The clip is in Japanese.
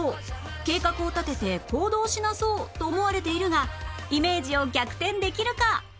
「計画を立てて行動しなそう」と思われているがイメージを逆転できるか？